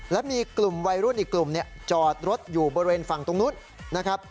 และมีกลุ่มวัยรุ่นอีกกลุ่มจอดรถอยู่บริเวณฝั่งตรงนู้นนะครับ